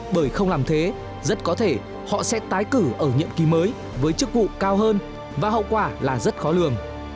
bởi không làm thế rất có thể họ sẽ tái cử ở nhiệm kỳ mới với chức vụ cao hơn và hậu quả là rất khó lường